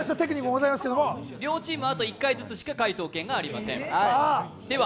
両チーム、あと１回しか解答権がありません。